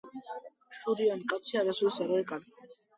ჭაბუკი უმალ ადგა და ჩაუვარდა პეტრე მოციქულს ფეხებში.